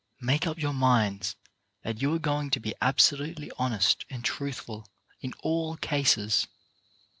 Make up your minds that you are going to be absolutely honest and truthful in all cases.